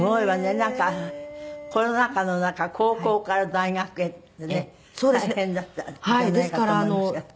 なんかコロナ禍の中高校から大学へってね大変だったんじゃないかと。